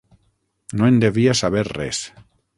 No en devia saber res.